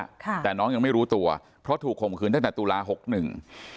ค่ะแต่น้องยังไม่รู้ตัวเพราะถูกข่มขืนตั้งแต่ตุลาหกหนึ่ง